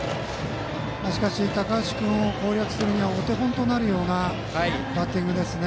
高橋君を攻略するにはお手本となるようなバッティングですね。